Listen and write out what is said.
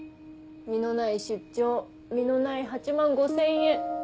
実のない出張実のない８万５０００円。